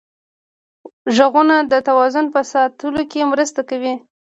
غوږونه د توازن په ساتلو کې مرسته کوي